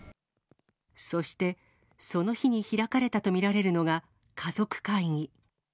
そして、その日に開かれたと見られるのが、家族会議。